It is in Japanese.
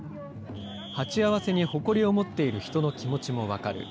鉢合わせに誇りを持っている人の気持ちも分かる。